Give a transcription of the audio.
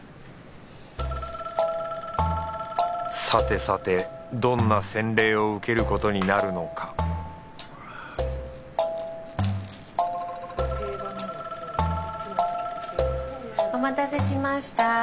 さてさてどんな洗礼を受けることになるのかお待たせしました。